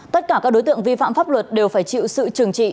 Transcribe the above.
tất cả các đối tượng vi phạm pháp luật đều phải chịu sự trừng trị